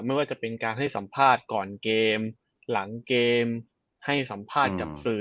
ไม่ว่าจะเป็นการให้สัมภาษณ์ก่อนเกมหลังเกมให้สัมภาษณ์กับสื่อ